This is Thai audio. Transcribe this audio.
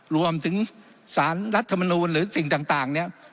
รวมถึงสารรัฐมนูลหรือสิ่งต่างเนี่ย